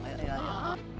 lu pergi ke mana